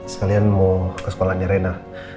sekalian mau ke sekolahnya rena